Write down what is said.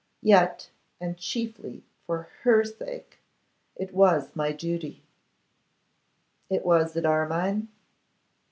Yet, and chiefly for her sake, it was my duty.' 'It was at Armine?